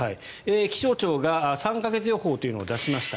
気象庁が３か月予報というのを出しました。